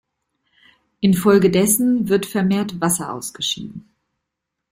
Infolgedessen wird vermehrt Wasser ausgeschieden.